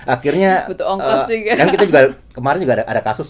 akhirnya kemarin juga ada kasus